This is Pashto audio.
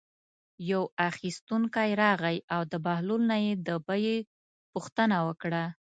یو اخیستونکی راغی او د بهلول نه یې د بیې پوښتنه وکړه.